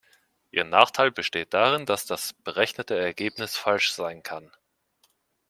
Ihr Nachteil besteht darin, dass das berechnete Ergebnis falsch sein kann.